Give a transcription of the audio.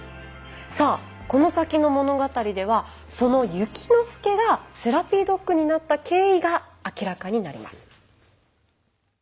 さあこの先の物語ではそのゆきのすけがセラピードッグになった経緯が明らかになります。